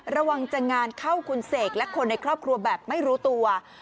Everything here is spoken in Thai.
ระวังจะงานเข้าคุณเสกและคนในครอบครัวแบบไม่รู้ตัว